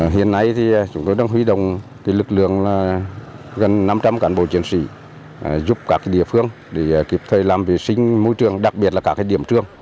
hiện nay thì chúng tôi đang huy động lực lượng gần năm trăm linh cán bộ chiến sĩ giúp các địa phương để kịp thời làm vệ sinh môi trường đặc biệt là các điểm trường